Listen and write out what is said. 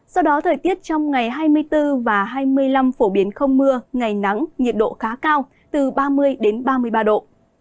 sau đó thời tiết trong ngày hai mươi bốn và hai mươi năm phổ biến không mưa ngày nắng nhiệt độ khá cao từ ba mươi ba mươi ba độ